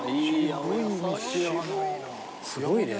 すごいね。